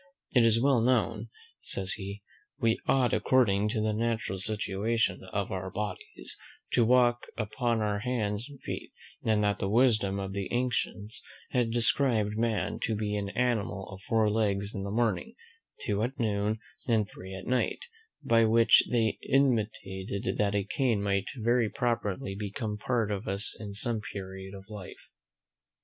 It is well known," says he, "we ought, according to the natural situation of our bodies, to walk upon our hands and feet: and that the wisdom of the ancients had described man to be an animal of four legs in the morning, two at noon, and three at night; by which they intimated that a cane might very properly become part of us in some period of life."